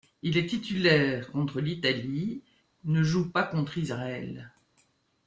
Il est titulaire contre l’Italie, ne joue pas contre Israël.